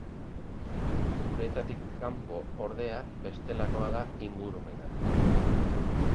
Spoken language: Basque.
Uretatik kanpo, ordea, bestelakoa da ingurumena.